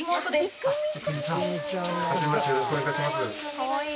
かわいい。